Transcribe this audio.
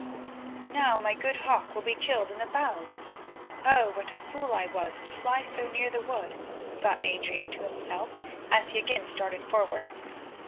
"Now my good hawk will be killed in the boughs—oh! what a fool was I to fly so near the wood," thought Adrian to himself as again he started forward.